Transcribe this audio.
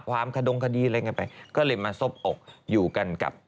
หวานเจี๊ยบและงะไก้อยู่แล้วกัน